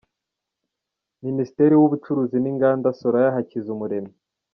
Ministeri w’ubucuruzi n’inganda ni Soraya Hakizumuremyi